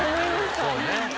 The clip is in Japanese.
そうね。